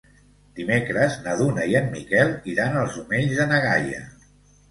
Dimecres na Duna i en Miquel iran als Omells de na Gaia.